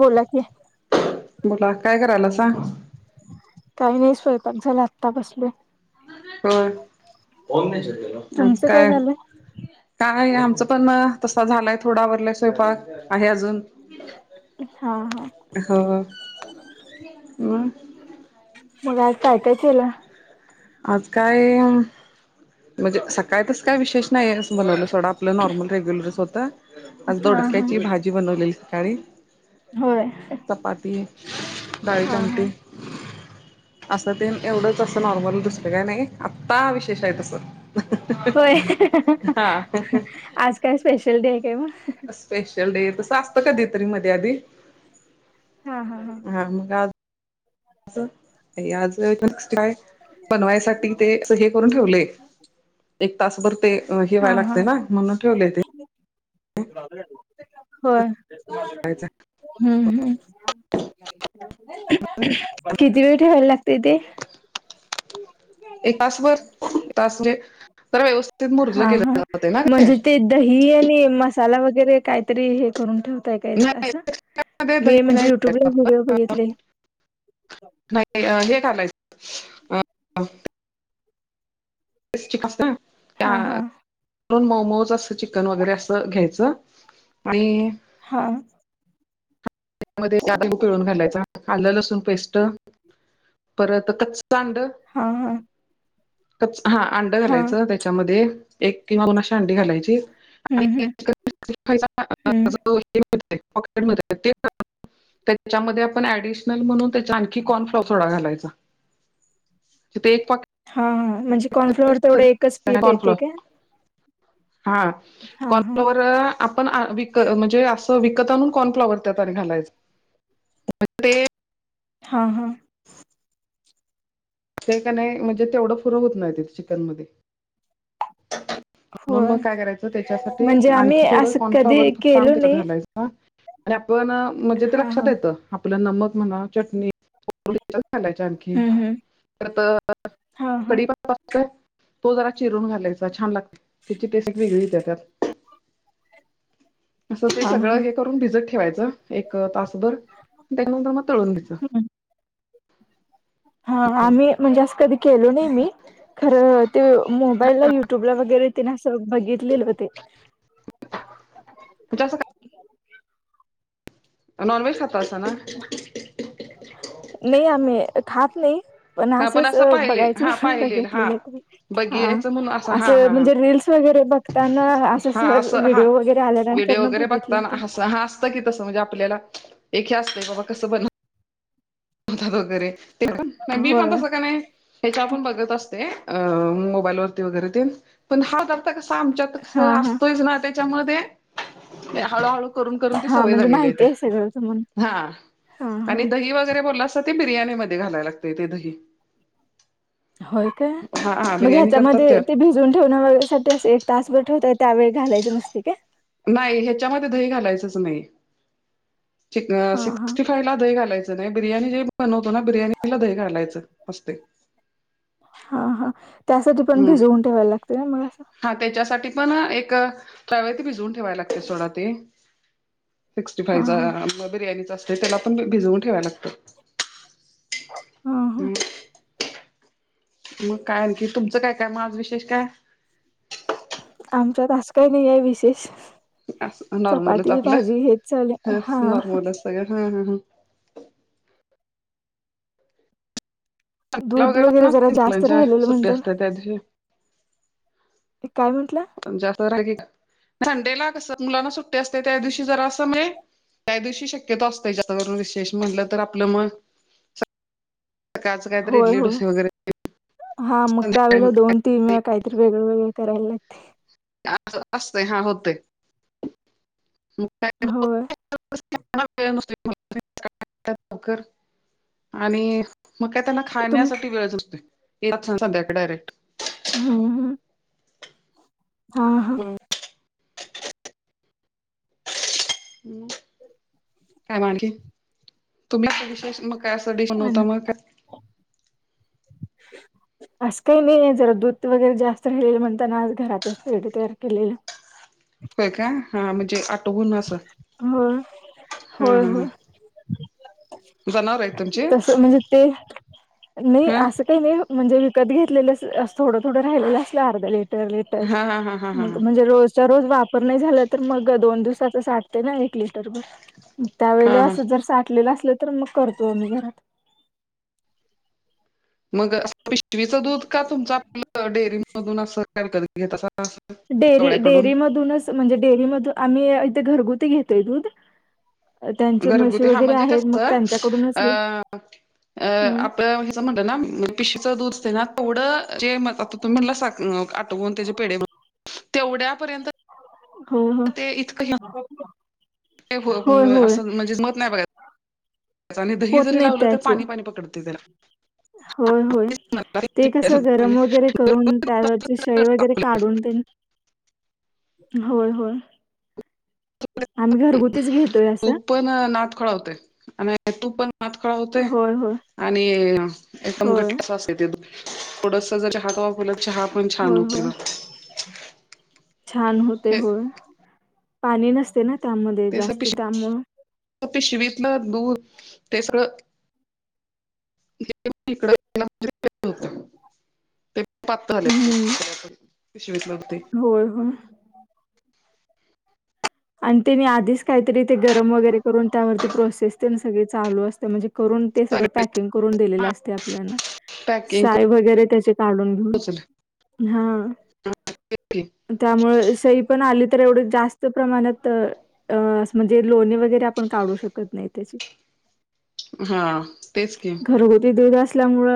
बोला की बोला काय करायलासां. काही नाही स्वयंपाक झाला, आत्ता बसलोय. होय आज तुमचं काय. झालं? काय आमचं पण तसा झालाय थोडा आवरलाय स्वयंपाक, आहे अजून हा हा.. हो मग? मग आज काय काय केला. आज काय म्हणजे, सकाळी तसं काय विशेष. नाही [unintelligible] सोडा आपलं नॉर्मल रेग्युलरच होतं, पण हा हा दोडक्याची भाजी. मी बनवलेली सकाळी. होय. चपाती डाळीची हा हा आमटी. असं तेन एवढंच, असं नॉर्मल. काय नाही आत्ता, विशेष हाय तसं. होय, हा आज काय स्पेशल डे, आहे काय मग. स्पेशल डे तसं असतं, कधी तरी मधी आधी. हा हा हा आज [unintelligible] हाय बनवायसाठी ते अस हे करून ठेवलंय. एक तासभर ते हे व्हाय हा हा लागते, ना म्हणून ठेवले ते. होय.. पायचा. [unintelligible] हम्म हम्म, किती वेळ ठेवायला लागतेय ते? एक तासभर, तासभर म्हणजे तर व्यवस्थित मुरलं हा गेलं हा जाते ना गं ते. म्हणजे दही आणि मसाला वगैरे काय. तरी हे करून ठेवताय काय असं, नाही दही मी म्हणजे नाही युट्यूबला व्हिडिओ बघितले. नाही हे घालायचं. चिकस ना त्या हा हा मऊ मऊचं अस चिकन वगैरे असं घ्यायचं. आणि, हा.. मध्ये लिंबू पिळून घालायचा, आलं लसुन पेस्ट परत कच्च अंड. हा हा. क हा अंड हा घालायचं त्याच्यामध्ये, एक किंवा दोन अशी अंडी घालायची. हम्म हम्म हम्म [unintelligible] त्याच्यामध्ये आपण ऍडिशनल म्हणून त्याच्या आणखी कॉर्नफ्लॉवर थोडा घालायचा. फक्त एक पॉकेट हा हा.. म्हणजे कॉर्नफ्लॉवर तेवढं एकच पीठ कॉर्नफ्लॉवर येतेय काय. हा हा हा कॉर्नफ्लॉवर. आपण विक म्हणजे असं विकत आनून कॉर्नफ्लाॉवर त्यात आणि घालायचं. ते हा हा. ते का नाही म्हणजे तेवढं फुरं होत नाही ते चिकन मध्ये. म्हणून होय मग काय करायचं त्याच्यासाठी म्हणजे आम्ही आणखी थोडं असं कॉर्नफ्लवर कधी फक्त आणून केलो त्याच्यात नाही घालायचं. हा आणि आपण म्हणजे ते हा लक्षात हा येतं. आपलं नमक म्हणा चटणी थोडी त्याच्यात घालायची. [unintelligible] की हम्म हम्म परत हा हा कढीप [unintelligible] तो जरा चिरून घालायचा छान लागतंय. त्याची टेस् वेगळी [unintelligible] त्या त्यात असं ते हा सगळं हा हे करून भिजत ठेवायच एक तासभर त्याच्यानंतर मग तळून घ्यायचं. हम. हा आम्ही म्हणजे असं कधी केलं नाही मी. खरं ते मोबाईलला युट्यूबला वगैरे तेन असं बघितलेलं ओ ते. तुझं [unintelligible] [unintelligible] नॉन व्हेज खातासा ना? नाही आम्ही खात नाही. पण हा असंच असं पाहिलेल बघायचं हा म्हणून पाहिलेल हा बघितलेलं खर. हा बघियायचं म्हणून हा असं हा हा म्हणजे रील्स वगैरे बघ त्यांना असं अस हा सहज हा व्हिडिओ वगैरे आल्यानंतर न बघितलं होत. कि तस म्हणजे आपल्या अस क ब होत वगैरे ते पण मी पण होय तसं काय नाही ह्याच्या आपण बघत असतोय अ मोबाईल वरती वगैरे ते पण हळदारता [unintelligible] कस आमच्यात हा हा असतोच ना त्याच्यामध्ये हळूहळू करून करून ती हा सवय म्हणजे झालेली माहिती आहे सगळं तुम्हाला. आहेत हा हा हा. आणि दही भात बोलासा ते बिर्याणीमध्ये घायला लागतंय ते दही‌. होय काय हा हा मग बिर्याणी करतात ह्याच्यामध्ये त्या ते भिजून ठेवणं वगैरेसाठी त्यास एक तास बर ठेवतय त्यावेेळी घालायचं नसते काय? नाही ह्याच्यामध्ये दही घालायचच नाही चिकन हा हा. शिक्सिफाय खायला दही घालायचं नाही बिर्याणी जे बनवतो ना बिर्याणीला दही घालायचं असतय. हा हा. त्यासाठी पण हम्म भिजवून ठेवायला लागतंय व्हय मग असं? हा त्याच्यासाठी पण एक त्यावेळी ती भिजवून ठेवायला लागते सोडा ते. सिक्स्टी हा फाईवचा हा. मग बिर्याणीचा असतंय त्याला पण भिजवून ठेवाय लागतं. हा हा. मग काय आणखी तुमचं काय काय मग आज विशेष काय? आमच्यात आज काही नाहीये विशेष. नॉर्मलच चपाती भाजी हेच चालू आहे हा. सग हा हा ह ला दूध पण वगैरे जरा नसते जास्त मुलांच्या राहिलेलं सुट्टी म्हणत असते त्या दिवशी ते काय म्हटलं? जास्त राहिलीत संडे ला कस मुलांना सुट्टी असते त्या दिवशी जरा असं म्ह त्या दिवशी शक्यतो असतोय [unintelligible] विेष म्हणाल तर आपलं मग सकाळचं काहीतरी होय इडली होय डोसे वगैरे हा मग त्यावेळेला संध्याकाळी दोन तिन वेळा मग काय तरीे वेगळ वेगळ करायला लागतंय. हा अस असतय हा होतय मग काय होय. [unintelligible] आणि मग काय? त्यांना तुम खाण्यासाठी वेळच असते संध्याकाळी डायरेक्ट. हम्म. हम्म हा हा [unintelligible] काय मग आणखीन? तुम्ही काय विशेष मग काय असं डिश आणि बनवता मग? [unintelligible] असं काही नाही आहे जरा दूध वगैरे जास्त राहिलेलं म्हणताना आज घरातच पेढ तयार केलेलं. होय का हा म्हणजे आठवून असं हो हा होय हा हा होय. जनावर आहेत तुमचे तस म्हणजे ते नाही हा असं ते नाही म्हणजे विकत घेतलेलं असं थोडं थोडं राहिलेलं असलं अर्ध लेट तर लिटर हा हा हा हा हा मग म्हणजे रोज च रोज वापर नाही झाला, तर मग दोन दिवसाचा साठतंय ना एक लिटरभर. मग हा त्यावेेळेला हा असं जर साठलेलं असलं तर मग करतो आम्ही घरात. मग पिशवीचं दूध का मग तुमचं आपलं डेअरीमधून असं. [unintelligible] घेतासा डेअरी गवळ्याकडून. डेअरी मधूनच म्हणजे डेअरी मधून आम्ही इथे घरगुती घेतोय दूध. त्यांचे म्हशी घरगुती हा वगैरे म्हणजे आहेत मग कसं त्यांच्याकडूनच घे अ अ हम्म, आपलं म्हणलं ना पिशीच दूध असते ना, तेवढं जे मग आता तुम्ही म्हणलासा आटवून त्याचे पेढे बन तेवढ्यापर्यंत हो हो. इतकं होय ते होय असं म्हणजे जमत नाही बघा. आणि दही होत जरी नाहीत लावलं तर त्याचे पाणी-पाणी पकडते त्याला. होय होय. ते कस गरम वगैरे करून त्यावरची शाई वगैरे काढून तेन होय होय. आम्ही घरगुतीच घेतोय असं. तूप पण नाद खुळा होतोय आणि तूप ण हात काळा होतंय होय होय आणि एकदम होय घट्ट असं थोडसं जर चहात वापरलं तर चहा पण छान होय होते होय. बघ छान होतंय हे होय, पाणी नसते ना. त्यामध्ये तेच जास्त त्यामुळं पिश-पिशवीतलं दूध ते सगळं [unintelligible] ते पत झालेत हम्म पिशवीत लढते. [unintelligible] होय होय. आणि तेनी आधीच काहीतरी ते गरम वगैरे करून त्यावरती प्रोसेस तेन सगळी चालू असत्या. म्हणजे करून ते सगळं पॅकिंग करून दिलेलं असतंय आपल्यांना. पॅकिंग साय वगैरे त्याची काढून घेऊन हा. त्यामुळे सईपण आली तर एवढं जास्त प्रमाणात अ असं म्हणजे लोणी वगैरे आपण काढू शकत नाही त्याची. हा तेच की. घरगुती दूध असल्यामुळ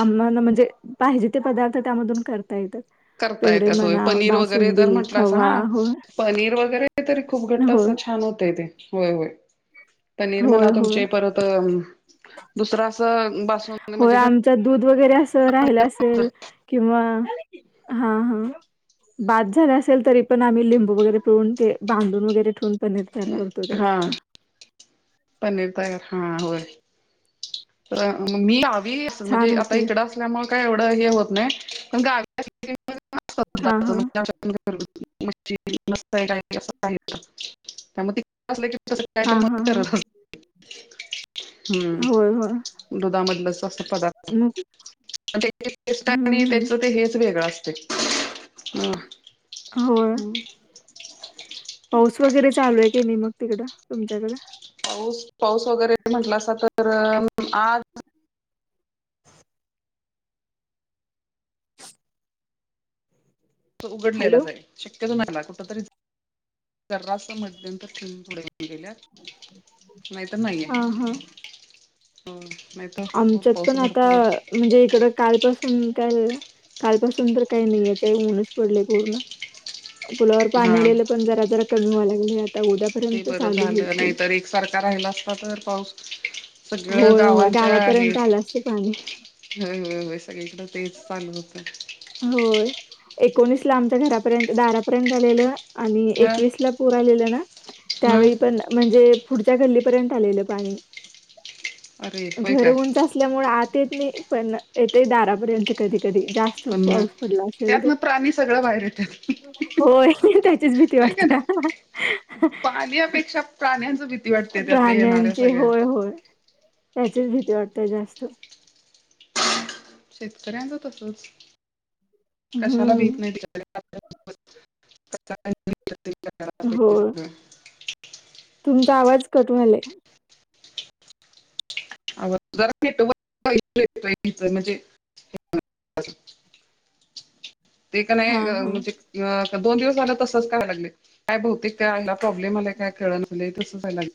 आम्हाला म्हणजे, पाहिजे ते पदार्थ त्यामधून करता येत. करता पेढ येतात होय म्हणा पनीर वगैरे तर बासुंदी, म्हटलं असं खवा हा होय. पनीर वगैरे तरी खूप घट्ट अस छान होतय ते, होय होय. पनीर मला होय होय तुमचे परत दुसरं असं बासू होय. आम त दूध वगैरे असं राहिलं असेल किंवा, हा हा. बाद झालं असेल तरीपण आम्ही लिंबू वगैरे पिळून ते बांधून वगैरे ठेवून पनीर तयार करतो हा त्याचं. पनीर तयार हा होय, तर मी गावी असं छान म्हणजे आता होते इकडं काय हे होत नाही पण गावी असल्यामुळे हा हा [unintelligible] त्या मध्ये अस की तसं काय तर हा हा मग हा करत होत. होय होय हम्म दुधामधलंच असं पदार्थ. मग [unintelligible] हम्म आणि हम्म त्याच ते हेच वेगळं असतंय हा. होय. पाऊस वगैरे चालू आहे की नाही मग तिकडं तुमच्याकडं? पाऊस पाऊस वगैरे म्हंटलसा तर आज. तो हॅलो उघडलेलाच आहे. शक्यतो नाहीला कुठ तरी जरास मध्यंतरी [unintelligible] गेल्यात. नाही तर नाहीये हा हा हो. आमच्यात पण आता म्हणजे इकडं कालपासून काल कालपासून तर काही नाही याच आहे ऊनच पडलंय पूर्ण. पुलावर हा पाणी आलेलं पण जरा जरा कमी व्हाय, लागलं लागले आता उद्यापर्यंत चालू होईल पूल. सारखा राहिला असता तर पाऊस सगळं होय होय गावांच्या हे गावापर्यंत आलं असतं पाणी हो होय सगळीकडे तेच चालू होतं. होय एकोणीस ला आमच्या घरापर्यंत, दारापर्यंत आलेलं. आणि ह एकवीस ला पुर आलेला ना ह त्यावेळी पण म्हणजे पुढच्या गल्लीपर्यंत आलेलं पाणी अरे होय घरं काय उंच अस असल्यामुळे आत येत नाही पण येते दारापर्यंत कधी कधी जास्त पण पाऊस पडला असेल तर त्यातन प्राणी सगळं बाहेर येतात होय त्याचीच भीती होय का ना वाटत्या. पाण्यापेक्षा प्राण्याच भीत प्राण्यांची होय होय, त्याचीच भीती वाटते जास्त. शेतकऱ्यांच तसच कशाला भीत हम्म नाहीत का? [unintelligible] हो येत नाही. तुमचा आवाज कट व्हालाय. आ जरा नेटवर्क पाहिजेल इथे म्हणजे, नेटवर्क. ते का नाही, हा हा म्हणजे अ दोन दिवस झाला तसच करा लागले. काय बहुतेक त्या ह्याला काय प्रॉब्लेम आलाय काय? कळले ना तसंच व्हायलाय.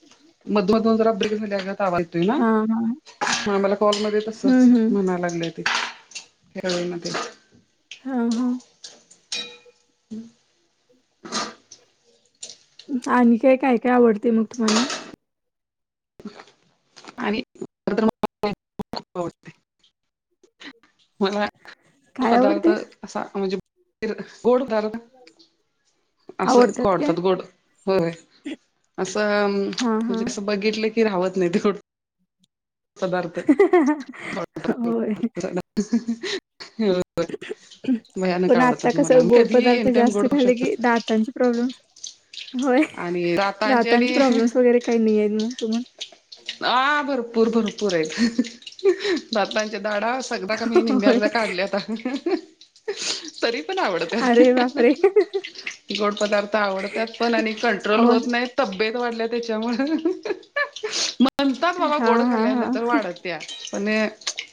मधन जरा ब्रेक झाल्यागत आवाज येतोय ना. हा हा. हा मला कॉलमध्ये हम्म तसच हम्म म्हणायला लागले ते त्यावेळीमध्ये. हा. हा. हम्म. आणि काय काय, काय आवडते मग तुम्हाना? आणि तर मला. मला गोड काय पदार्थ आवडते असा म्हणजे, गोड पदार्थ. हा. असं आवडतात [unintelligible] काय डतात गोड हो असं हा हा म्हणजे कस बघितले की राहवत नाही तो सदार्थ होय [unintelligible] [unintelligible] पण आता कस, मला मी गोड कधी पदार्थ एनी टाइम जास्त गोड खाऊ खाले शकतो की दातांचे प्रॉब्लेम. होय आणि दातांचे आणि प्रॉब्लेम्स वगैरे काही नाही आहेत मग तुम्हाला. ह भरपूर भरपूर आहेत, दातांचे दाढा अस सगदा का मी निंम्या होय. अर्ध्या काढल्या आता. तरी पण आवडत्यात. अरे बापरे! गोड पदार्थ आवडतात पण आणि कंट्रोल अहो होत नाही तब्येत वाढल्या त्याच्यामुळे. म्हणतात बाबा हां, गोड हां, हां. खाल्यानंतर वाढत्या पण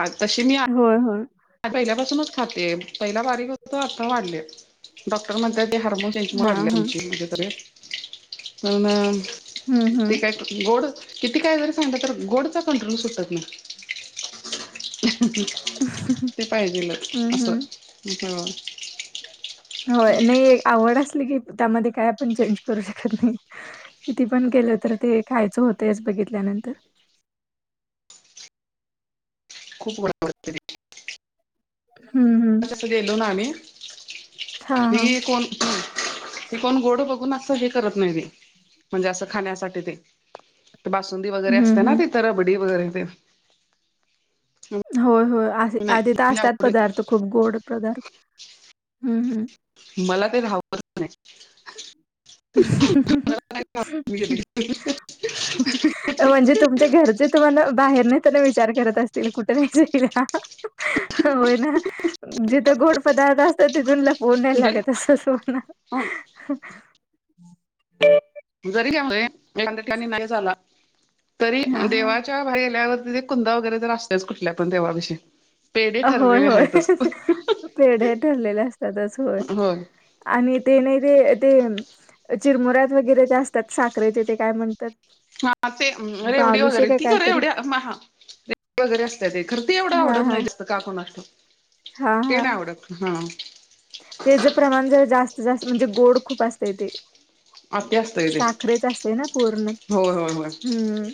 आत्ताशी मी आत होय. होय. आणि पहिल्यापासूनच खाते पहिला बारीक होतो आता वाढले डॉक्टर म्हणता ते हार्मोन्स. हां, वाढले हां. आमचे कुठं ते एक पण हं, हं. ते काय. गोड किती काय जरी सांगत तर गोडचा कंट्रोल सुटात नाही. हं हं हं. [unintelligible] ते पाहिजेलं हं, असं हं. इकडं. होय नाही आवड असली की, त्यामध्ये काय पण चेंज करू शकत नाही. किती पण केलं तर ते खायचं होतच बघितल्यानंतर. खूप बडबडतंय. हं, हं. तर जसं गेलो ना आम्ही, हां, हां. ही कोण तू. ती कोण गोड बघून असं हे करत नाही म्हणजे असं खाण्यासाठी ते. तर बासुंदी वगैरे हं, असते ना हं. तिथे रबडी वगैरे ते. होय होय अस आधी नाही तर मी असतात, आवडे पदार्थ खूप गोड पदार्थ हम्म हम्म. मला ते राहपच नाही. [unintelligible] [unintelligible] म्हणजे तुमच्या घरचे तुम्हाला बाहेर नाही त्यांना विचार करत असतील कुठे नाही जाईल. हो होय ना जिथं गोड पदार्थ असतात तिथून ला ओ नाहीय की- जरी लागत अस सोना. हं, जरी त्यामध्ये [unintelligible] नाही झाला तरी हा देवा च्या बाहेर गेल्यावरती ते कुंद वगरे तर असतेच कुठल्या पण देवळापाशी. अ होय होय, पेढे ठरलेले असतातच होय. आणि ते नाही ते ते चिरमुऱ्यात वगैरे ते असतात साखरेचे ते काय म्हण हा ते रेवडी वगैरे, काय ती का कायतरी रेवड्या म हा टेप वगैर असतते ते खर ती एवढं हा आवडत हा नाही जास्त. का कुणास हा ठाऊक ते नाही आवडत हा. त्येच प्रमाण जरा जास्त जास्त म्हणजे गोड खूप असत ते. आत्या असतंय ते साखरेच असते ना, पूर्ण होय होय होय हम्म.